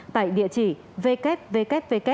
tại địa chỉ www ncovi vn